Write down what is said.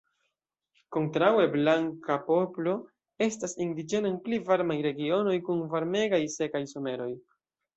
Kontraŭe, blanka poplo estas indiĝena en pli varmaj regionoj, kun varmegaj, sekaj someroj.